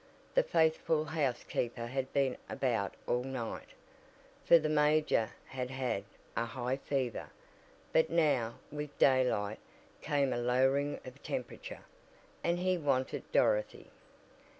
The faithful housekeeper had been about all night, for the major had had a high fever, but now, with daylight, came a lowering of temperature, and he wanted Dorothy.